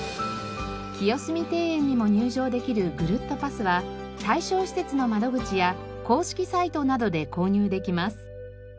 清澄庭園にも入場できるぐるっとパスは対象施設の窓口や公式サイトなどで購入できます。